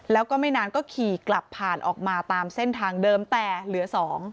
แล้วก็ไม่นานก็ขี่กลับผ่านออกมาตามเส้นทางเดิมแต่เหลือ๒